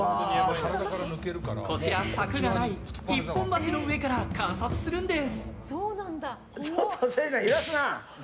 こちら柵がない一本橋の上から観察するんです。